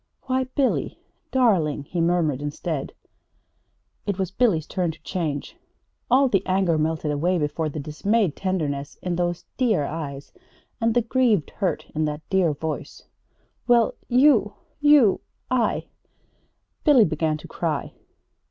"Why, Billy darling!" he murmured instead. It was Billy's turn to change. All the anger melted away before the dismayed tenderness in those dear eyes and the grieved hurt in that dear voice. "Well, you you I " Billy began to cry.